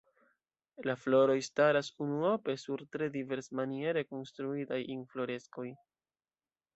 La floroj staras unuope sur tre diversmaniere konstruitaj infloreskoj.